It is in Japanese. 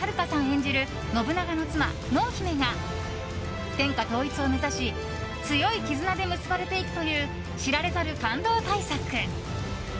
演じる信長の妻・濃姫が天下統一を目指し強い絆で結ばれていくという知られざる感動大作。